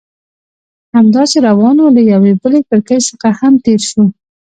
همداسې روان وو، له یوې بلې کړکۍ څخه هم تېر شوو.